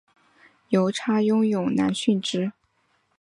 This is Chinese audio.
邮差温勇男殉职。